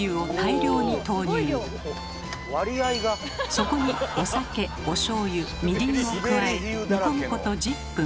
そこにお酒おしょうゆみりんを加え煮込むこと１０分。